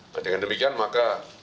nah dengan demikian maka